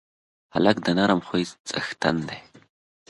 هلک د نرم خوی څښتن دی.